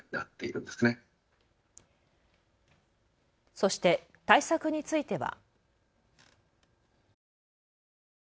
そして対策については。